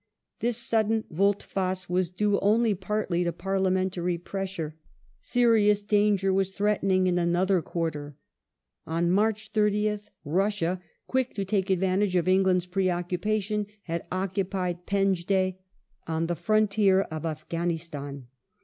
This sudden volte face was due only partly to parliamentary pressure ; serious I 506 THE GLADSTONE ADMINISTRATION [1880 danger was threatening in another quarter. On March 30th Russia, quick to take advantage of England's preoccupation, had occupied Penjdeh on the frontier of Afghanistan.